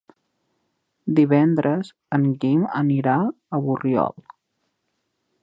Divendres en Guim anirà a Borriol.